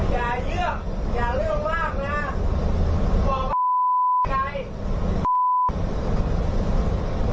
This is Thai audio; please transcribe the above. อย่าเลือกอย่าเลือกมากนะบอกว่าใคร